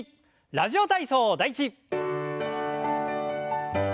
「ラジオ体操第１」。